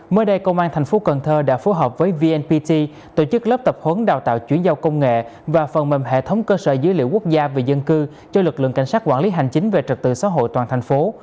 mới đây công an thành phố cần thơ đã phối hợp với vnpt tổ chức lớp tập huấn đào tạo chuyển giao công nghệ và phần mềm hệ thống cơ sở dữ liệu quốc gia về dân cư cho lực lượng cảnh sát quản lý hành chính về trật tự xã hội toàn thành phố